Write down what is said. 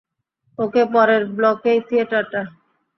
ওকে, পরের ব্লকেই থিয়েটারটা।